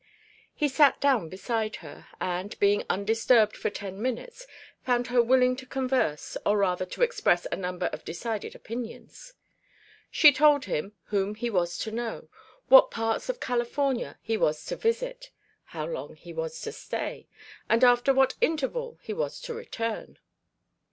He sat down beside her, and, being undisturbed for ten minutes, found her willing to converse, or rather to express a number of decided opinions. She told him whom he was to know, what parts of California he was to visit, how long he was to stay, and after what interval he was to return.